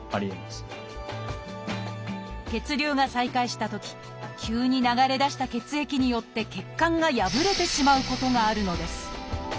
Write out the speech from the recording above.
血流が再開したとき急に流れだした血液によって血管が破れてしまうことがあるのです